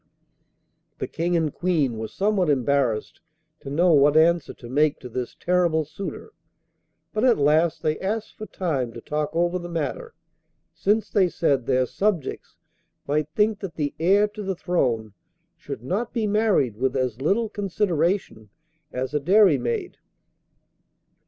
The King and Queen were somewhat embarrassed to know what answer to make to this terrible suitor, but at last they asked for time to talk over the matter: since, they said, their subjects might think that the heir to the throne should not be married with as little consideration as a dairymaid.